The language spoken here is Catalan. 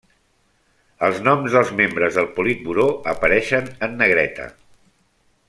Els noms dels membres del Politburó apareixen en negreta.